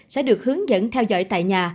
sẽ được hướng dẫn theo dõi tại nhà